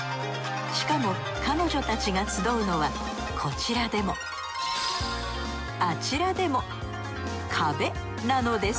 しかも彼女たちが集うのはこちらでもあちらでも壁なのです